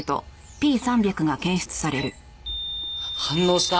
「」反応した！